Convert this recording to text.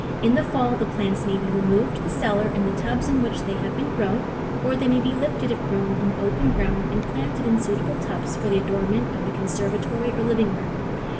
In the fall the plants may be re moved to the cellar in the tubs in which they have been grown, or they may be lifted, if grown in the open ground, and planted in suitable tubs for the adornment of the conservatory or living room.